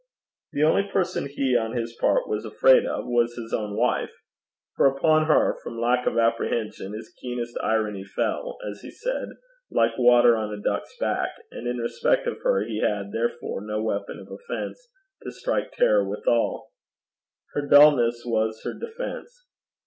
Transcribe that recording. The only person he, on his part, was afraid of, was his own wife; for upon her, from lack of apprehension, his keenest irony fell, as he said, like water on a duck's back, and in respect of her he had, therefore, no weapon of offence to strike terror withal. Her dulness was her defence.